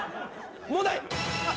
問題。